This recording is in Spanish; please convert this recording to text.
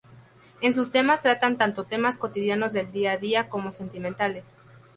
En sus temas tratan tanto temas cotidianos del día a día, como sentimentales.